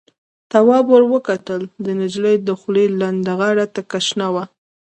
تواب ور وکتل، د نجلۍ دخولې لنده غاړه تکه شنه وه.